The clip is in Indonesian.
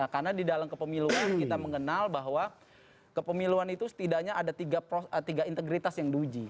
karena di dalam kepemiluan kita mengenal bahwa kepemiluan itu setidaknya ada tiga integritas yang di ujukan